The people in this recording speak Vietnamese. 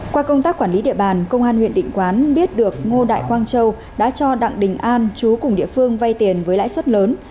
qua công tác quản lý địa bàn công an huyện định quán biết được ngô đại quang châu đã cho đặng đình an chú cùng địa phương vay tiền với lãi suất lớn